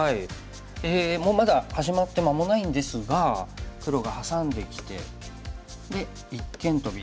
まだ始まって間もないんですが黒がハサんできてで一間トビ。